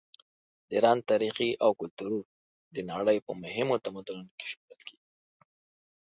د ایران تاریخ او کلتور د نړۍ په مهمو تمدنونو کې شمېرل کیږي.